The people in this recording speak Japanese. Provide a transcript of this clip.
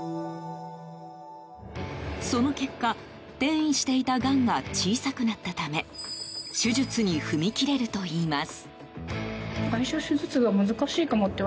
その結果、転移していたがんが小さくなったため手術に踏み切れるといいます。